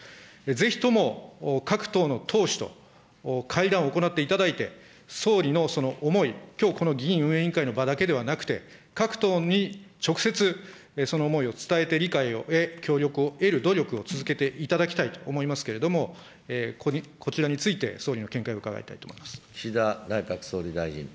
ぜひとも各党の党首と、会談を行っていただいて、総理のその思い、きょうこの議院運営委員会の場だけではなくて、各党に直接その思いを伝えて、理解をえ、協力を得る努力を続けていただきたいと思いますけれども、こちらについて、総理の見解を伺いたいと思います。